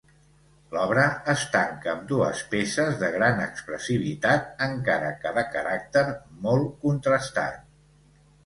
L'obra es tanca amb dues peces de gran expressivitat, encara que de caràcter molt contrastat.